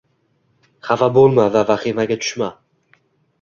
• Xafa bo‘lma va vahimaga tushma!